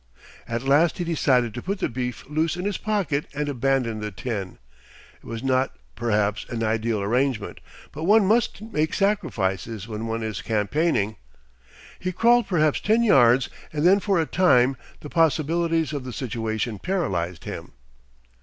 At last he decided to put the beef loose in his pocket and abandon the tin. It was not perhaps an ideal arrangement, but one must make sacrifices when one is campaigning. He crawled perhaps ten yards, and then for a time the possibilities of the situation paralysed him.